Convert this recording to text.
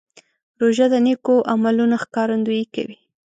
روژه د نیکو عملونو ښکارندویي کوي.